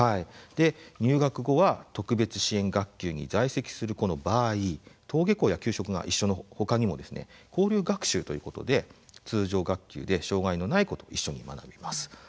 入学後は特別支援学級に在籍する子の場合登下校や給食が一緒のほかにも交流学習ということで通常学級で障害のない子と一緒に学びます。